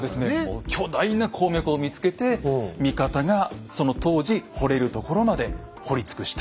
巨大な鉱脈を見つけて味方がその当時掘れるところまで掘り尽くした。